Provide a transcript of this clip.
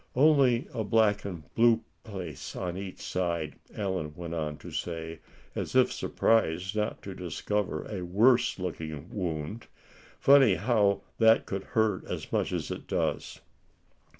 "Only a black and blue place on each side," Allan went on to say, as if surprised not to discover a worse looking wound. "Funny how that could hurt as much as it does."